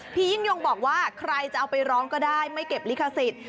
พี่ยิ่งยงบอกว่าใครจะเอาไปร้องก็ได้ไม่เก็บลิขสิทธิ์